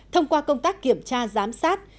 thông qua công tác kiểm tra giám sát